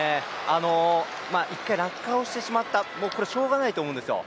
１回、落下をしてしまった、これはしようがないと思うんですよ。